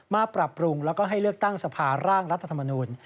ปรับปรุงแล้วก็ให้เลือกตั้งสภาร่างรัฐธรรมนูล